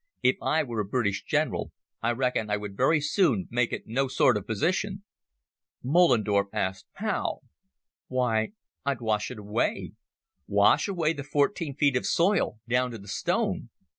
If I were a British general I reckon I would very soon make it no sort of position." Moellendorff asked, "How?" "Why, I'd wash it away. Wash away the fourteen feet of soil down to the stone.